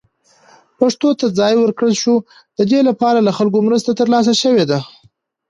پښتو ته ځای ورکړل شو، د دې لپاره له خلکو مرسته ترلاسه شوې ده.